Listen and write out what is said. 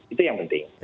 itu yang penting